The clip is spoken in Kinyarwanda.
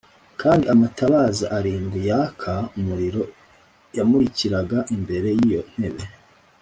kandi amatabaza arindwi yaka umuriro yamurikiraga imbere y’iyo ntebe.